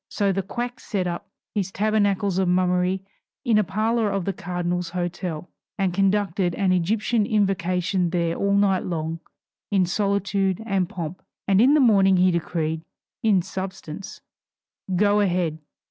So the quack set up his tabernacles of mummery in a parlor of the cardinal's hotel, and conducted an Egyptian Invocation there all night long in solitude and pomp; and in the morning he decreed (in substance) "go ahead."